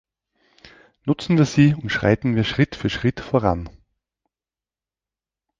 Nutzen wir sie und schreiten wir Schritt für Schritt voran!